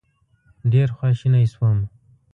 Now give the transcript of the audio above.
ډېر خواشینی شوم.